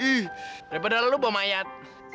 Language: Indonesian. daripada lu bawa mayat